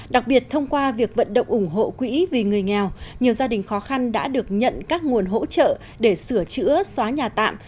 đặc biệt thông qua việc vận động ủng hộ quỹ vì người nghèo nhiều gia đình khó khăn đã được nhận các nguồn hỗ trợ để sửa chữa xóa nhà tạm